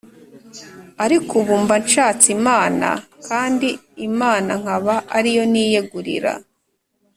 Ariko ubu mbasnhatse imana, kandi imanankaba ariyo niyegurira